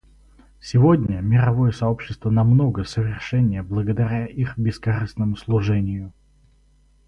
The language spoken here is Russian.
Сегодня мировое сообщество намного совершеннее благодаря их бескорыстному служению.